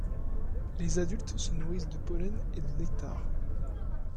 Les adultes se nourrissent de pollen et de nectar.